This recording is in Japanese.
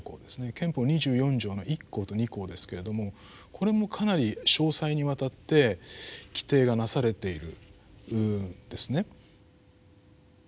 憲法二十四条の一項と二項ですけれどもこれもかなり詳細にわたって規定がなされているんですね。